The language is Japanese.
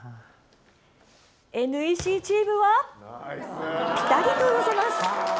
ＮＥＣチームはぴたりと寄せます。